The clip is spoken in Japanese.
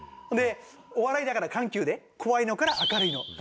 でお笑いだから緩急で怖いのから明るいの。